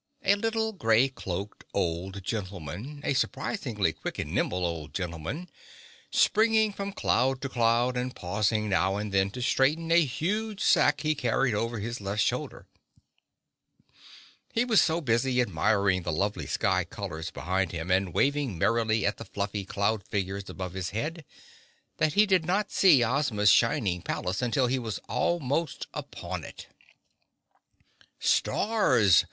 A little gray cloaked old gentleman—a surprisingly quick and nimble old gentleman—springing from cloud to cloud and pausing now and then to straighten a huge sack he carried over his left shoulder. He was so busy admiring the lovely sky colors behind him and waving merrily at the fluffy cloud figures above his head, that he did not see Ozma's shining palace until he was almost upon it. "Stars!"